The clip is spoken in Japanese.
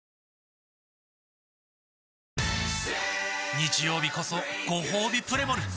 日曜日こそごほうびプレモル！